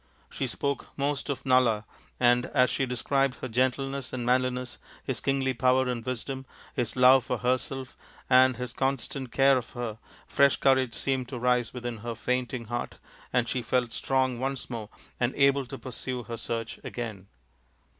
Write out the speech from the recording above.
She spoke most of Nala, and as she described his gentleness and manli ness, his kingly power and wisdom, his love for herself and his constant care of her, fresh courage seemed to rise within her fainting heart and she felt strong once more and able to pursue her search again.